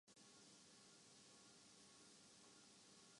اسی دوران personal computers میں ملٹی میڈیا ٹیکنولوجی کو فروغ حاصل ہوا